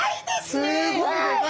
すっごい！